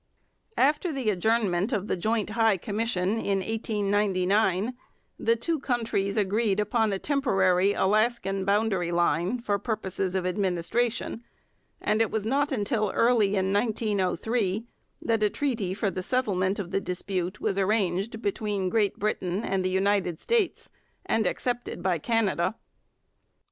After the adjournment of the Joint High Commission in 1899 the two countries agreed upon a temporary Alaskan boundary line for purposes of administration, and it was not until early in 1903 that a treaty for the settlement of the dispute was arranged between Great Britain and the United States and accepted by Canada.